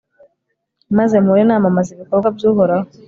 maze mpore namamaza ibikorwa by'uhoraho